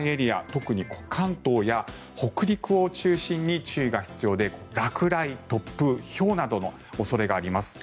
特に関東や北陸を中心に注意が必要で落雷、突風、ひょうなどの恐れがあります。